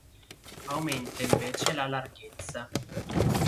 Aumenta invece la larghezza.